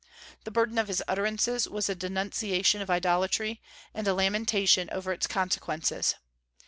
The burden of his utterances was a denunciation of idolatry, and a lamentation over its consequences.